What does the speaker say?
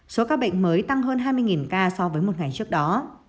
số ca bệnh mới tăng hơn hai mươi ca so với một ngày trước đó